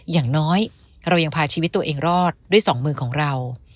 อย่างน้อยเรายังพาชีวิตตัวเองรอดด้วยสองมือของเรา